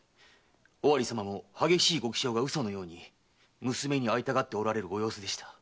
尾張様も激しいご気性が嘘のように娘に会いたがっておられるご様子でした。